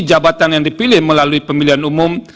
jabatan yang dipilih melalui pemilihan umum